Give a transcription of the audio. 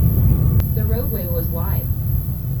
The roadway was wide.